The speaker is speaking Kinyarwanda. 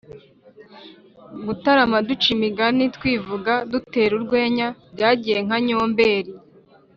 gutarama duca imigani, twivuga, dutera urwenya byagiye nka nyomberi